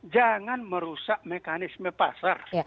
jangan merusak mekanisme pasar